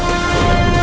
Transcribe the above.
đã chạy bụi nhỏ